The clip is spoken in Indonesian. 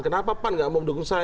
kenapa pan gak mau mendukung saya